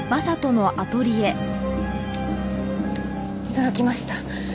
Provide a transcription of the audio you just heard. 驚きました。